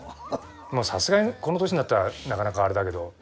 さすがにこの年になったらなかなかあれだけど。